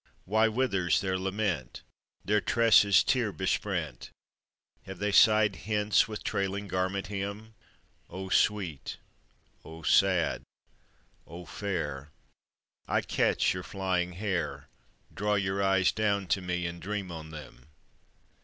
Why withers their lament? Their tresses tear besprent, Have they sighed hence with trailing garment hem? O sweet, O sad, O fair, I catch your flying hair, Draw your eyes down to me, and dream on them!